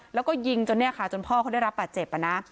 แล้วก็ยิงจนเนี่ยค่ะจนพ่อเขาได้รับบาดเจ็บอ่ะนะ